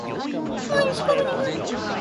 毎日仕事に行く